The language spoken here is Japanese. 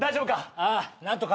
ああ何とか。